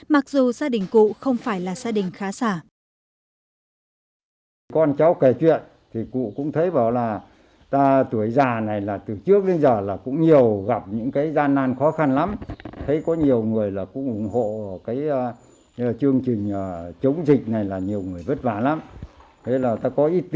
mặc dù gia đình cụ không phải là gia đình khá xả